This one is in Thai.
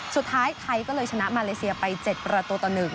สุดท้ายไทยก็เลยชนะมาเลเซียไป๗ประตูต่อ๑